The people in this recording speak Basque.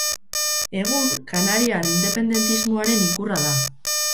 Egun, kanariar independentismoaren ikurra da.